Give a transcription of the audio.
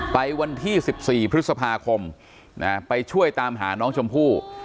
ไปวันที่๑๔พฤษภาคมไปช่วยตามหาน้องชมพู่